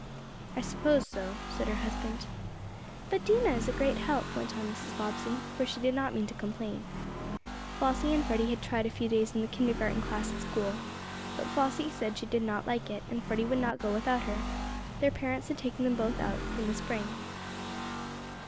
"I suppose so," said her husband. "But Dinah is a great help," went on Mrs. Bobbsey, for she did not mean to complain. Flossie and Freddie had tried a few days in the kindergarten class at school, but Flossie said she did not like it, and, as Freddie would not go without her, their parents had taken them both out in the Spring.